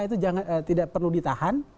itu tidak perlu ditahan